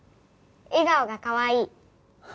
笑顔がかわいい。